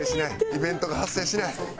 イベントが発生しない。